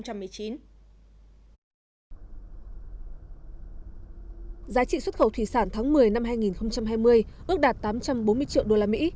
giá trị xuất khẩu thủy sản tháng một mươi năm hai nghìn hai mươi ước đạt tám trăm bốn mươi triệu đô la mỹ